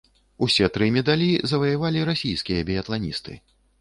Усе тры медалі заваявалі расійскія біятланісты.